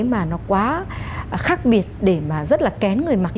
mà nó quá khác biệt để mà rất là kén người mặc